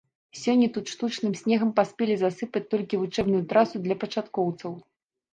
Сёння тут штучным снегам паспелі засыпаць толькі вучэбную трасу для пачаткоўцаў.